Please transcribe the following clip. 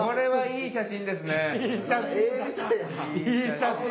いい写真！